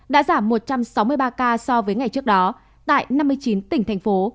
đã giảm một trăm sáu mươi ba ca so với ngày trước đó tại năm mươi chín tỉnh thành phố